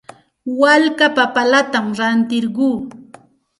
Walka papallatam rantirquu.